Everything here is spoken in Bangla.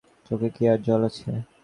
চোখে কি আর জল আছে?